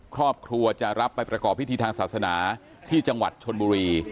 ครอบครัวจะรับไปประกอบพิธีทางศาสนาที่จังหวัดชนบุรี